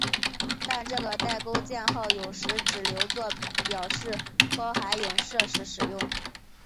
但这个带钩箭号有时只留作表示包含映射时用。